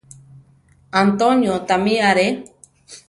Antonio tamí are.